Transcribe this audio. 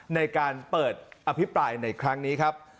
ในการเปิดอภิปรายในครั้งนี้ครับ